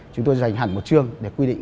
chúng tôi dành hẳn một chương để quy định